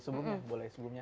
sebelumnya boleh sebelumnya